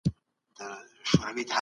رئیس څنګه غونډه اداره کوي؟